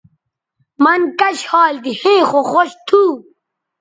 مَن کش حال تھی ھویں خو خوش تھو